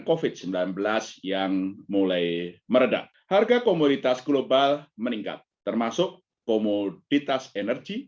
covid sembilan belas yang mulai meredah harga komoditas global meningkat termasuk komoditas energi